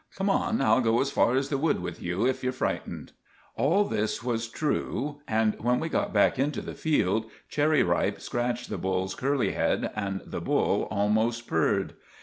Come on. I'll go as far as the wood with you if you're frightened." All this was true. And when we got back into the field, Cherry Ripe scratched the bull's curly head and the bull almost purred.